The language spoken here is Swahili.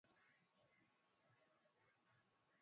gazeti hii limeandika wamekataa mapendekezo ya kubadili sheria